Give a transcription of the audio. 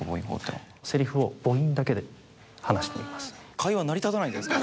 会話成り立たないんじゃない？